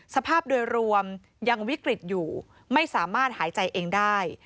สภาพโดยรวมยังวิกฤตอยู่ไม่สามารถหายใจเองได้